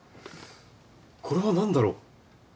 これはなんだろう？